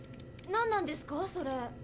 何なんですかそれ？